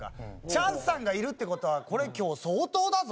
チャンスさんがいるって事はこれ今日相当だぞ！